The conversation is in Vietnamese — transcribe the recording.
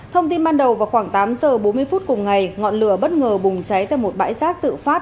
thông tin ban đầu vào khoảng tám giờ bốn mươi phút cùng ngày ngọn lửa bất ngờ bùng cháy tại một bãi rác tự phát